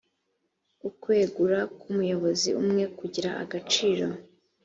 ukwegura k umuyobozi umwe kugira agaciro